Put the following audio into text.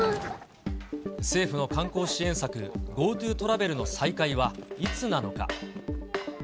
政府の観光支援策、ＧｏＴｏトラベルの再開はいつなのか。